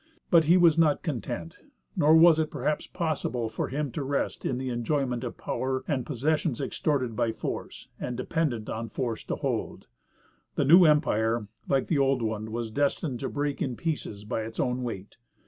But he was not content, nor was it perhaps possible for him to rest in the enjoyment of power and possessions extorted by force, and dependent on force to hold. The new empire, like the old one, was destined to break in pieces by its own weight.